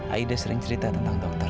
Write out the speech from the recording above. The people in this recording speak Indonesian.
aida sering cerita tentang dokter